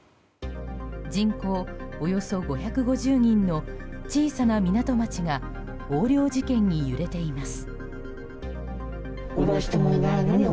人口およそ５５０人の小さな港町が横領事件に揺れています。